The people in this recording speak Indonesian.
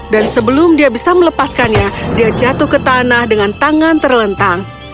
sebelum dia bisa melepaskannya dia jatuh ke tanah dengan tangan terlentang